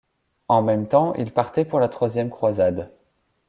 En même temps il partait pour la troisième croisade.